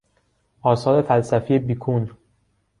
آثار فلسفی بیکون